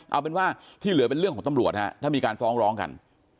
เอาเป็นว่าที่เหลือเป็นเรื่องของตำรวจฮะถ้ามีการฟ้องร้องกัน